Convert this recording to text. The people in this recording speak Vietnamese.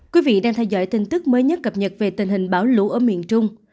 các bạn đang theo dõi tin tức mới nhất cập nhật về tình hình bão lũ ở miền trung